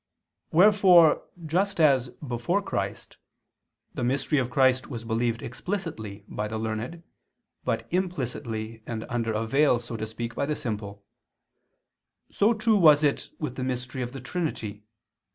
Wherefore just as, before Christ, the mystery of Christ was believed explicitly by the learned, but implicitly and under a veil, so to speak, by the simple, so too was it with the mystery of the Trinity.